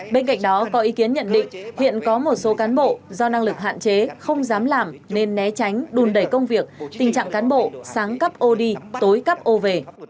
bên cạnh đó có ý kiến nhận định hiện có một số cán bộ do năng lực hạn chế không dám làm nên né tránh đùn đẩy công việc tình trạng cán bộ sáng cắp ô đi tối cắp ô về